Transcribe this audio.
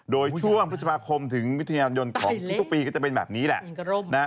โดยช่วงพฤษภาคมถึงวิทยานยนต์ของทุกปีก็จะเป็นแบบนี้แหละ